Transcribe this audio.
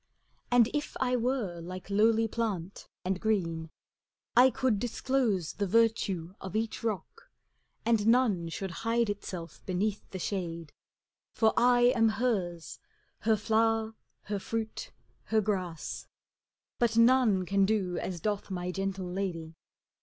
And if I were like lowly plant and green, I could disclose the virtue of each rock. And none should hide itself beneath the shade; For I am hers, her flower, her fruit, her grass; But none can do as doth my gentle lady.